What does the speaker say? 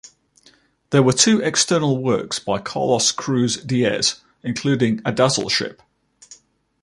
There were two external works by Carlos Cruz-Diez, including a Dazzle Ship.